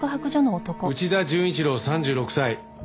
内田潤一郎３６歳。